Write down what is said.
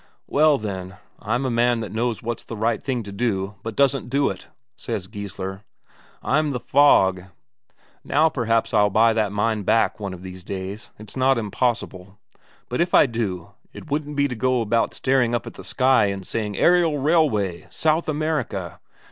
"Well, then, I'm a man that knows what's the right thing to do, but doesn't do it," says Geissler. "I'm the fog. Now perhaps I'll buy that mine back again one of these days, it's not impossible; but if I do, it wouldn't be to go about staring up at the sky and saying, 'Aerial railway! South America!'